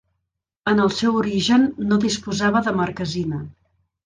En el seu origen no disposava de marquesina.